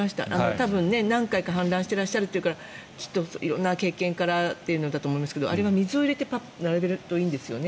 多分、何回か氾濫していらっしゃるというからきっと色んな経験からだと思いますがあれは水を入れてパッと並べるといいんですよね。